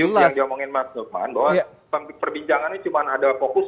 itu yang diomongin mas nukman bahwa perbincangannya cuma ada fokus